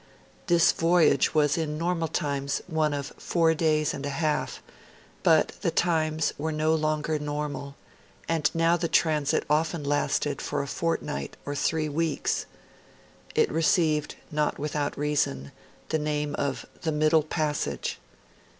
This voyage was in normal times one of four days and a half; but the times were no longer normal, and now the transit often lasted for a fortnight or three weeks. It received, not without reason, the name of the 'middle passage'.